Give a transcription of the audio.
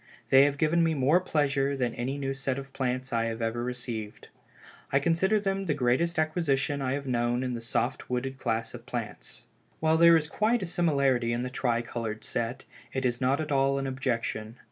They have given me more pleasure than any set of new plants I have ever received. I consider them the greatest acquisition I have known in the soft wooded class of plants. While there is quite a similarity in the tri colored set, it is not at all an objection.